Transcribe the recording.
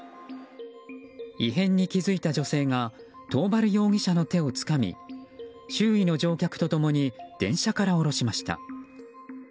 異変に気付いた女性が桃原容疑者の手をつかみ周囲の乗客と共に電車から降ろしました。